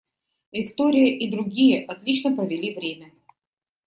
Виктория и другие отлично провели время.